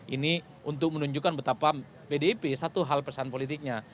ini untuk menunjukkan betapa pdip satu hal pesan politiknya